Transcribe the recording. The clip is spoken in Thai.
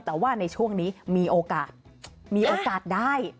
แต่ว่าในช่วงนี้มีโอกาสมีโอกาสได้